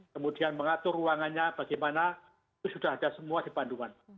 kemudian mengatur ruangannya bagaimana itu sudah ada semua di bandungan